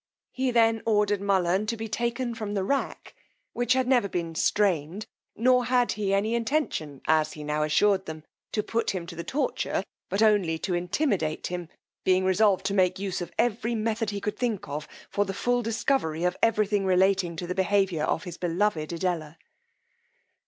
He then ordered Mullern to be taken from the rack, which had never been strained; nor had he any intention, as he now assured him, to put him to the torture, but only to intimidate him, being resolved to make use of every method he could think of for the full discovery of every thing relating to the behaviour of his beloved Edella.